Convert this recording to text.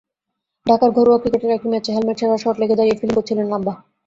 ঢাকার ঘরোয়া ক্রিকেটের একটি ম্যাচে হেলমেট ছাড়া শর্টলেগে দাঁড়িয়ে ফিল্ডিং করছিলেন লাম্বা।